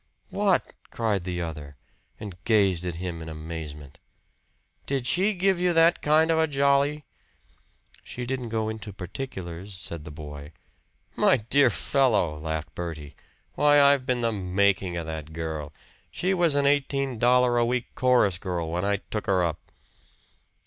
"WHAT!" cried the other, and gazed at him in amazement. "Did she give you that kind of a jolly?" "She didn't go into particulars" said the boy. "My dear fellow!" laughed Bertie. "Why, I've been the making of that girl. She was an eighteen dollar a week chorus girl when I took her up."